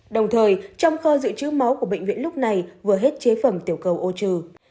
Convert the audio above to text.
đồng thời trong kho dự trữ máu của bệnh viện lúc này vừa hết chế phẩm tiểu cầu ô trừ